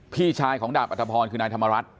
พี่ชายของดาบอัตภพรคือนายธรรมรัฐ